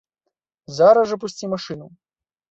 Зараз жа пусці машыну!